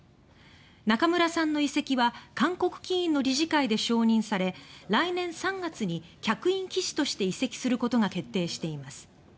仲邑さんの移籍は韓国棋院の理事会で承認され来年３月に客員棋士として移籍することが決定しています。